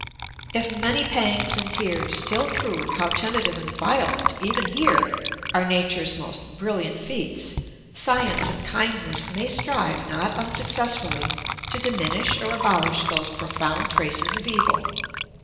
If many pangs and tears still prove how tentative and violent, even here, are nature's most brilliant feats, science and kindness may strive not unsuccessfully to diminish or abolish those profound traces of evil.